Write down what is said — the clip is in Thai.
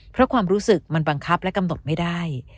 เพราะความรู้สึกมันบังคับและกำหนดไม่ได้